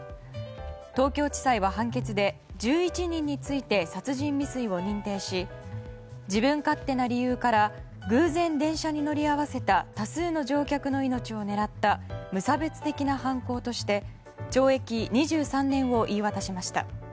東京地検は判決で１１人について殺人未遂を認定し自分勝手な理由から偶然電車に乗り合わせた多数の乗客の命を狙った無差別的な犯行として懲役２３年を言い渡しました。